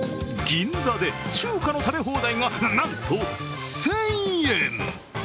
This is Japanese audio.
銀座で中華の食べ放題が、な、な、なんと１０００円！